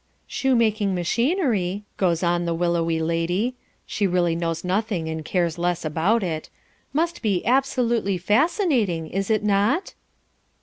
"Shoe making machinery," goes on the willowy lady (she really knows nothing and cares less about it) "must be absolutely fascinating, is it not?"